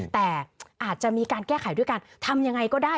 แต่อาจจะมีการแก้ไขด้วยการทำยังไงก็ได้